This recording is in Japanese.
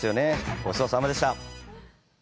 ごちそうさまでした！